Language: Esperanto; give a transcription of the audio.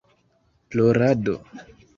Plorado